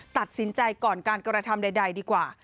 ตัดสินใจก่อนการกระทำใดดีกว่า